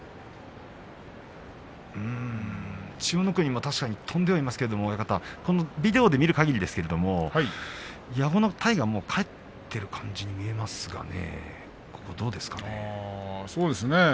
千代の国も確かに飛んではいますけれども、ビデオで見るかぎりですけれども矢後の体が返っている感じに見えますかね。